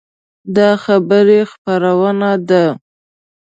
دا خبري خپرونه ده